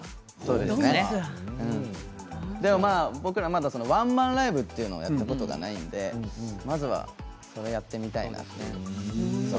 でも僕らまだワンマンライブをやったことがないのでまずはそれをやってみたいなと。